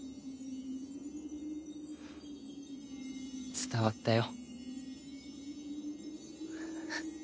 伝わったよ。